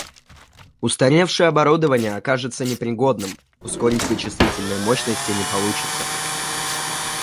Устаревшее оборудование окажется непригодным: ускорить вычислительные мощности не получится